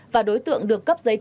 và đối tượng được cấp giải quyết